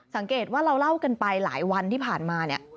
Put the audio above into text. สังเกตว่าเราเล่ากันไปหลายวันที่ผ่านมาเนี่ย